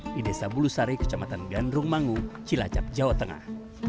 di desa bulusari kecamatan gandrung mangu cilacap jawa tengah